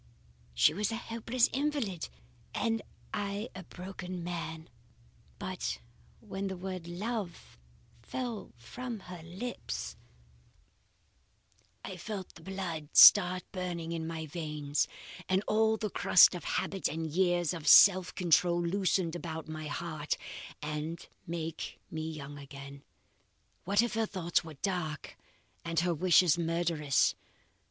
"She was a helpless invalid, and I a broken man, but when that word 'love' fell from her lips, I felt the blood start burning in my veins, and all the crust of habit and years of self control loosen about my heart, and make me young again. What if her thoughts were dark and her wishes murderous!